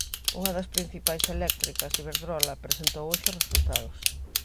Unha das principais eléctricas, Iberdrola, presentou hoxe resultados.